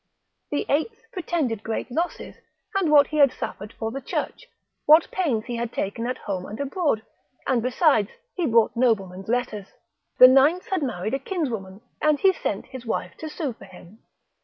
The eighth pretended great losses, and what he had suffered for the church, what pains he had taken at home and abroad, and besides he brought noblemen's letters. The ninth had married a kinswoman, and he sent his wife to sue for him.